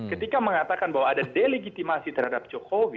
ketika mengatakan bahwa ada delegitimasi terhadap jokowi